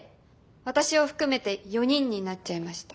私を含めて４人になっちゃいました。